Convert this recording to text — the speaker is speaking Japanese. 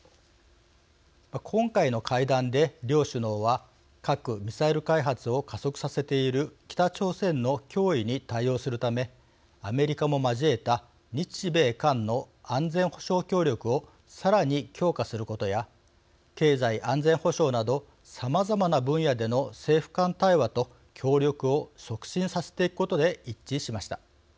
今回の会談で両首脳は核・ミサイル開発を加速させている北朝鮮の脅威に対応するためアメリカも交えた日米韓の安全保障協力をさらに強化することや経済安全保障などさまざまな分野での政府間対話と協力を促進させていくことで一致しました。